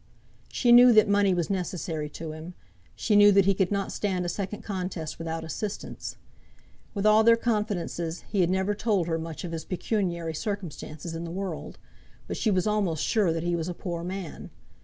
She knew that money was necessary to him. She knew that he could not stand a second contest without assistance. With all their confidences, he had never told her much of his pecuniary circumstances in the world, but she was almost sure that he was a poor man.